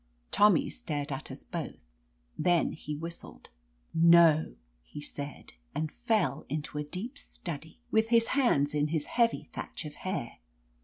Tommy stared at us both. Then he whis tled. "No!" he said, and fell into a deep study, with his hands in his heavy thatch of hair.